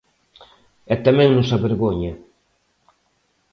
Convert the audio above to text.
E tamén nos avergoña.